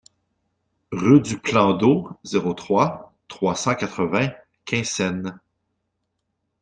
Rue du Plan d'Eau, zéro trois, trois cent quatre-vingts Quinssaines